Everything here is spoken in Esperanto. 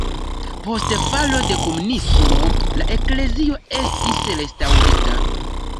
Post falo de komunismo la eklezio estis restaŭrita.